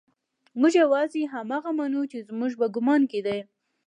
موږ يوازې هماغه منو چې زموږ په ګمان کې دي.